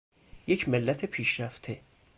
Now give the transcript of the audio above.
یک ملت پیشرفته